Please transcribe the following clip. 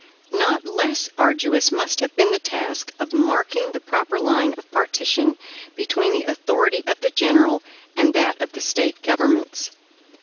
Not less arduous must have been the task of marking the proper line of partition between the authority of the general and that of the State governments.